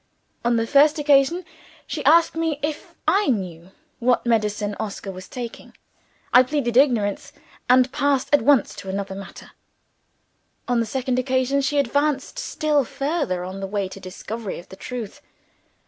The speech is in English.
On the first occasion, she asked me if I knew what medicine Oscar was taking. I pleaded ignorance, and passed at once to other matters. On the second occasion, she advanced still further on the way to discovery of the truth.